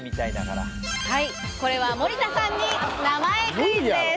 これは森田さんに名前クイズです。